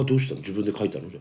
自分で書いたの？